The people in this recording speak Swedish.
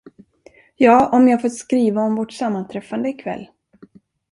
Ja, om jag får skriva om vårt sammanträffande i kväll.